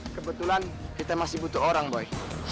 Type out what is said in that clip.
kebetulan kita masih butuh orang boy